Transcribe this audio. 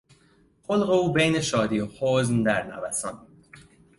خلق او بین شادی و حزن در نوسان بود.